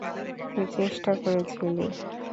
তুই চেষ্টা করেছিলি।